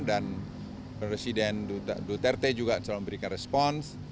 dan presiden duterte juga selalu memberikan respons